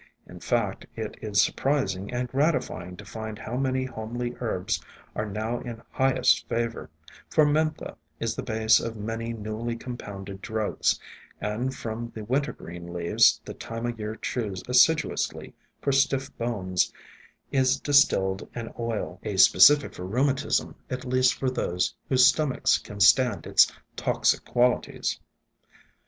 In fact, it is surprising and gratifying to find how many homely herbs are now in high est favor, for Mentha is the base of many newly compounded drugs, and from the Wintergreen leaves that Time o' Year chews assiduously for stiff bones is distilled an oil, a specific for rheumatism — at least for those whose stom achs can stand its toxic qualities.